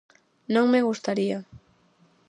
Non me gustaría.